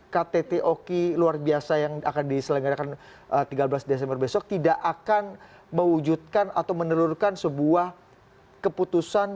ktt oki luar biasa yang akan diselenggarakan tiga belas desember besok tidak akan mewujudkan atau menelurkan sebuah keputusan